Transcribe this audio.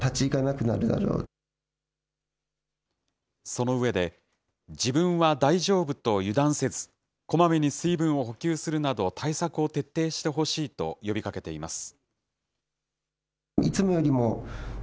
その上で、自分は大丈夫と油断せず、こまめに水分を補給するなど対策を徹底してほしいと呼びかけています。